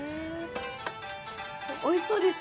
おいしそうでしょ。